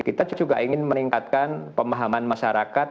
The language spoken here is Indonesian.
yang kedua kita juga ingin meningkatkan pemahaman masyarakat